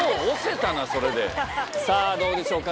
さぁどうでしょうか？